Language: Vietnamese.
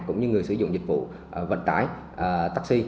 cũng như người sử dụng dịch vụ vận tải taxi